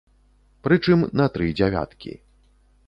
Прычым, на тры дзявяткі.